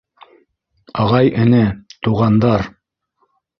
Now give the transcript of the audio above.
— Ағай-эне, туғандар!